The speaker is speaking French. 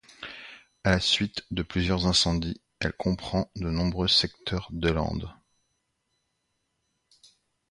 À la suite de plusieurs incendies, elle comprend de nombreux secteurs de landes.